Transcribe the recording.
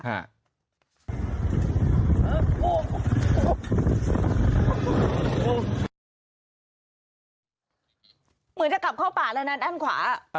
เหมือนจะกลับเข้าป่าแล้วนะด้านขวา